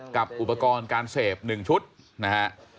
กับอุปกรณ์การเสพ๑ชุดนะฮะ